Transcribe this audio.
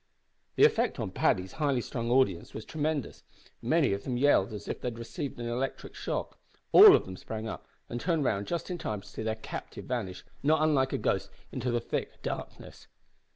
The effect on Paddy's highly strung audience was tremendous. Many of them yelled as if they had received an electric shock. All of them sprang up and turned round just in time to see their captive vanish, not unlike a ghost, into the thick darkness!